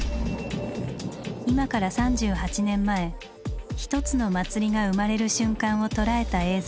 今から３８年前一つの祭りが「生まれる」瞬間を捉えた映像がありました。